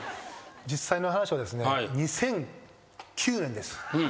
実際の話はですね２００９年です。